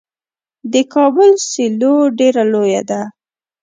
د کابل سیلو ډیره لویه ده.